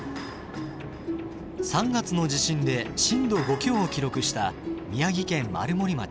３月の地震で震度５強を記録した宮城県丸森町。